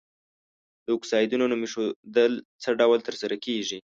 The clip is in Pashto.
د اکسایدونو نوم ایښودل څه ډول تر سره کیږي؟